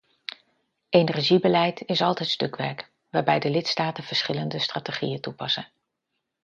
Energiebeleid is nog altijd stukwerk, waarbij de lidstaten verschillende strategieën toepassen.